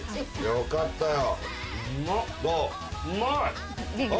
よかったよ。